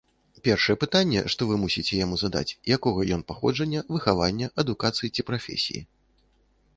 Першае пытанне, што вы мусіце яму задаць, якога ён паходжання, выхавання, адукацыі ці прафесіі.